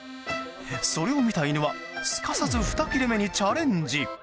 それを見た犬はすかさず２切れ目にチャレンジ。